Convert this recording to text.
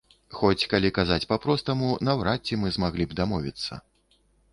Хоць калі казаць па-простаму, наўрад ці мы змаглі б дамовіцца.